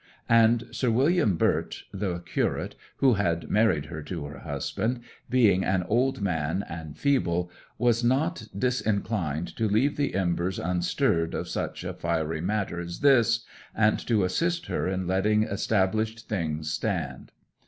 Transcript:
And Sir William Byrt, the curate who had married her to her husband, being an old man and feeble, was not disinclined to leave the embers unstirred of such a fiery matter as this, and to assist her in letting established things stand.